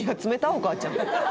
お母ちゃん。